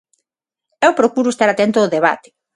Eu procuro estar atento ao debate.